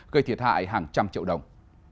gây thiệt hại hàng trăm triệu đồng